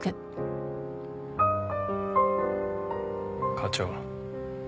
課長。